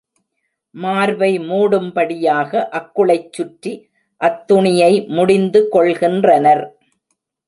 மார்பை மூடும்படியாக அக்குளைச் சுற்றி அத்துணியை முடிந்து கொள்கின்றனர்.